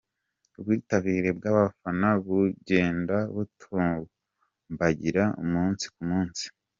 Ubwitabire bw'abafana bugenda butumbagira umunsi ku munsi.